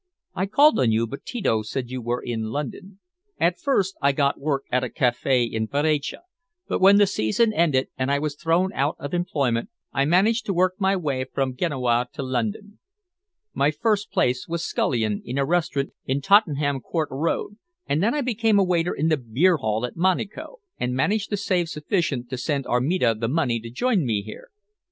I called on you, but Tito said you were in London. At first I got work at a café in Viareggio, but when the season ended, and I was thrown out of employment, I managed to work my way from Genoa to London. My first place was scullion in a restaurant in Tottenham Court Road, and then I became waiter in the beer hall at the Monico, and managed to save sufficient to send Armida the money to join me here.